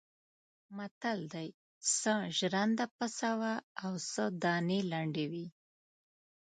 متل دی: څه ژرنده پڅه وه او څه دانې لندې وې.